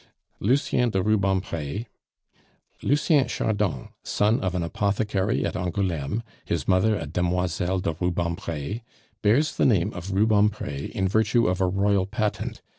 "Lucien de Rubempre. "Lucien Chardon, son of an apothecary at Angouleme his mother a Demoiselle de Rubempre bears the name of Rubempre in virtue of a royal patent.